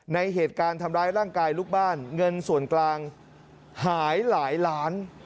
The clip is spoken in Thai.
ในเหตุการณ์ทำร้ายร่างกายลูกบ้านเงินส่วนกลางหายหลายล้าน